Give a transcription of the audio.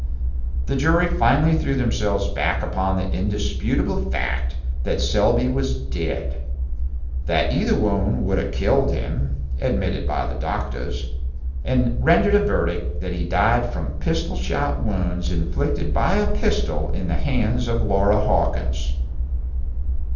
The jury finally threw themselves back upon the indisputable fact that Selby was dead, that either wound would have killed him (admitted by the doctors), and rendered a verdict that he died from pistol shot wounds inflicted by a pistol in the hands of Laura Hawkins.